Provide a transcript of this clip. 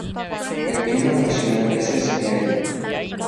El clima de la ciudad es el Semiárido.